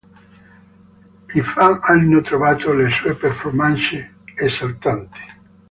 I fan hanno trovato le sue performance "esaltanti".